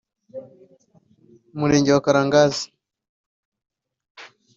Umurenge wa Karangazi